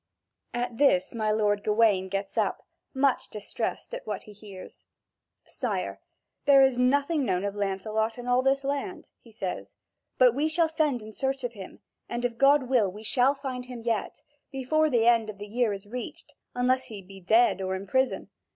(Vv. 6221 6458.) At this my lord Gawain gets up, much distressed at what he hears: "Sire, there is nothing known of Lancelot in all this land," he says; "but we shall send in search of him and, if God will, we shall find him yet, before the end of the year is reached, unless he be dead or in prison.